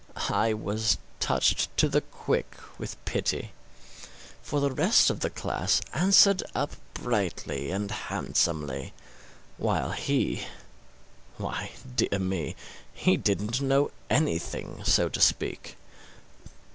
I was touched to the quick with pity; for the rest of the class answered up brightly and handsomely, while he why, dear me, he didn't know anything, so to speak.